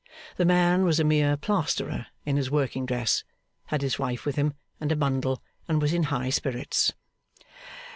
The man was a mere Plasterer in his working dress; had his wife with him, and a bundle; and was in high spirits.